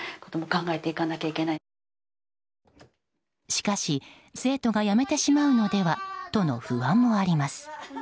しかし、生徒が辞めてしまうではとの不安もあるといいます。